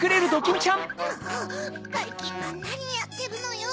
もうばいきんまんなにやってるのよ！